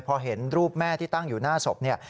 พอเห็นรูปแม่ที่ตั้งอยู่หน้าศพเนี่ย